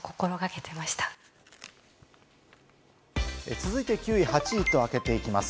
続いて９位、８位とあけていきます。